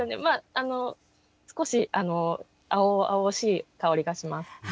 まああの少し青々しい香りがします。